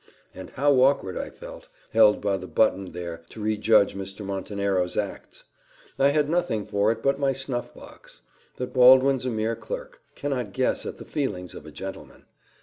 and how awkward I felt, held by the button there, to rejudge Mr. Montenero's acts! I had nothing for it but my snuff box. But Baldwin's a mere clerk cannot guess at the feelings of a gentleman.